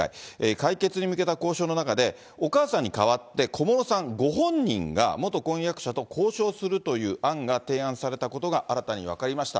解決に向けた交渉の中で、お母さんに代わって、小室さんご本人が元婚約者と交渉するという案が提案されたことが新たに分かりました。